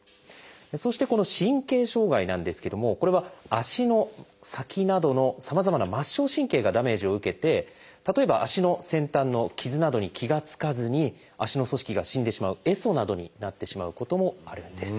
そしてこの神経障害なんですけどもこれは足の先などのさまざまな末梢神経がダメージを受けて例えば足の先端の傷などに気が付かずに足の組織が死んでしまう壊疽などになってしまうこともあるんです。